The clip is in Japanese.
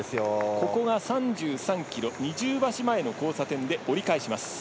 ここが３３ｋｍ二重橋前の交差点で折り返します。